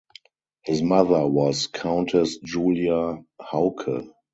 His mother was Countess Julia Hauke.